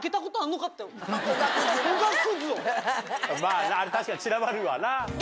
あれ確かに散らばるわな。